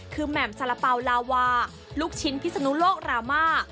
คือแหม่มสาระเป๋าลาวาลูกชิ้นพิศนุโลกรามา